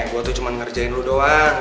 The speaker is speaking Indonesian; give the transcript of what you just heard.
gue tuh cuma ngerjain dulu doang